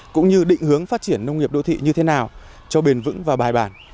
cũng như định hướng phát triển nông nghiệp đô thị như thế nào cho bền vững và bài bản